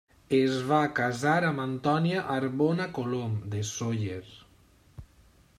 Es va casar amb Antònia Arbona Colom, de Sóller.